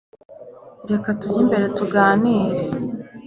reka tujye imbere tuganire